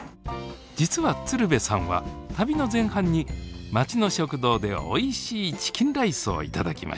実は鶴瓶さんは旅の前半に町の食堂でおいしいチキンライスを頂きました。